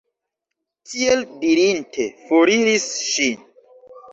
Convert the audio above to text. Tiel dirinte, foriris ŝi.